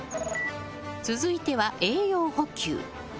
続いては栄養補給。